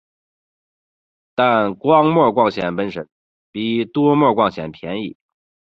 但单模光纤本身比多模光纤便宜。